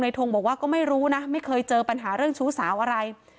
ทงบอกว่าก็ไม่รู้นะไม่เคยเจอปัญหาเรื่องชู้สาวอะไร